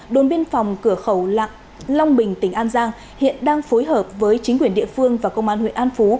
đồn biên phòng cửa khẩu lạng long bình tỉnh an giang hiện đang phối hợp với chính quyền địa phương và công an huyện an phú